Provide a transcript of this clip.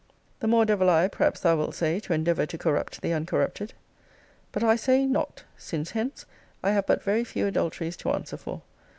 The more devil I, perhaps thou wilt say, to endeavour to corrupt the uncorrupted. But I say, not; since, hence, I have but very few adulteries to answer for.